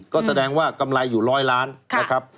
ก็แสดงว่ากำไรอยู่๑๐๐ล้านบาท